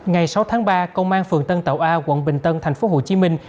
ngày sáu tháng ba công an phường tân tạo a quận bình tân thành phố hồ chí minh